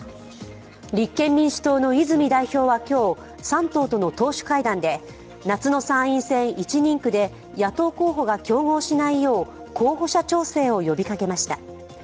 立憲民主党の泉代表は今日、３党との党首会談で、夏の参院選１人区で野党候補が競合しないよう候補者調整を呼びかけました。